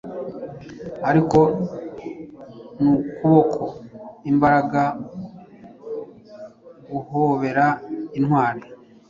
Ariko nukuboko-imbaraga guhobera intwari